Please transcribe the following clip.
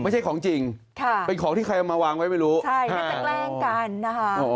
ใช่ก็จะแกล้งกันนะคะ